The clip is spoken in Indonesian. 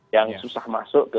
yang susah masuk ke